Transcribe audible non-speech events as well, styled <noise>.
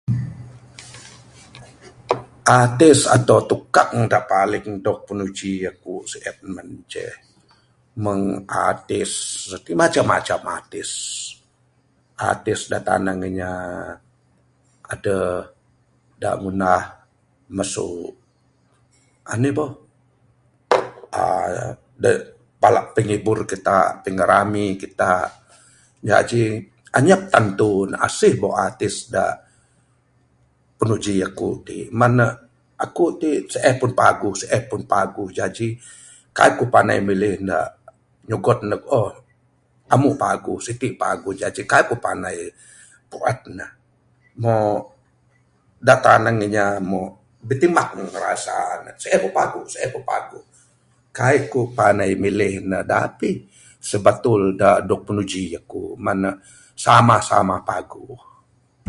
Artis ato tukang da paling dog pinuji akuk sien, mun che. Mung artis, pimacam macam artis. Artis da tanang inya, aduh da ngundah masu anih boh <noise> uhh da palak pingibur kitak, dengan rami kitak. Jaji anyap tentu ne asih boh artis da pinuji akuk tik. Man ne akuk tik sien pun paguh, sien pun paguh. Jaji, kai kuk pandai milih da, nyugon ne ohh, amuk paguh, sitik paguh. Jaji kaik kuk pandai. Mpu'an ne, moh da tanang inya moh bitimbak rasa ne, sien pun paguh, sien pun paguh. Kaik kuk pandai milih ne, dapih sebetul da dog pinuji akuk. Men ne samah samah paguh.